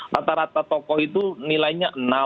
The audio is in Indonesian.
rata rata tokoh itu nilainya enam tujuh